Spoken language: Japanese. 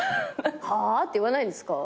「はぁ？」って言わないんですか？